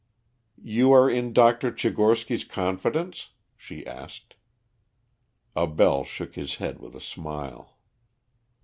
"You are in Dr. Tchigorsky's confidence?" she asked. Abell shook his head with a smile.